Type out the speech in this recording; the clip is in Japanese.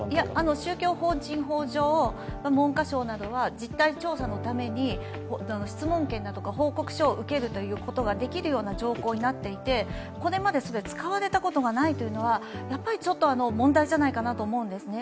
宗教法人法上、文科省などは実態調査のために質問権だとか報告書を受けるということができるような条項になっていてこれまでそれ、使われたことがないというのはちょっと問題じゃないかと思うんですね。